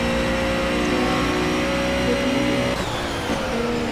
Sir Colin Bambridge!